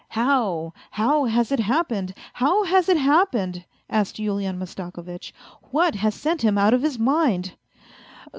" How, how has it happened ? how has it happened ?" asked Yulian Mastakovitch. " What has sent him out of his mind